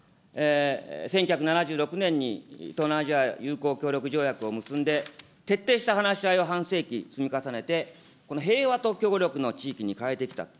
１９７６年に東南アジア友好協力条約を結んで、徹底した話し合いを半世紀積み重ねて、この平和と協力の地域に変えてきたと。